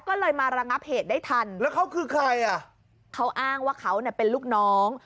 ก็เลยมาระงับเหตุได้ทันแล้วเขาคือใครอ่ะเขาอ้างว่าเขาเนี่ยเป็นลูกน้อง